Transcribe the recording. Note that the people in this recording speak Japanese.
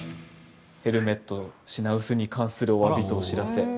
ヘルメット品薄に関するおわびとお知らせ。